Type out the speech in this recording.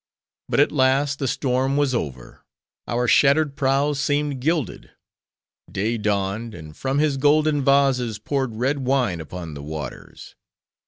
But at last, the storm was over. Our shattered prows seemed gilded. Day dawned; and from his golden vases poured red wine upon the waters.